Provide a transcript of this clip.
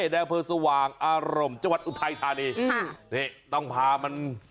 แดงเผิดสว่างอารมณ์จังหวัดอุเธยธานีค่ะนี่ต้องพามัน